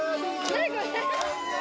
何これ！